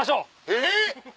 えっ